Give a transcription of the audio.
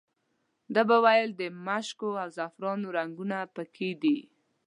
ده به ویل د مشکو او زعفرانو رنګونه په کې دي.